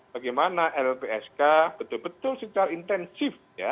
bagaimana lpsk betul betul secara intensif ya